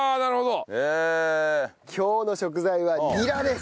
今日の食材はニラです。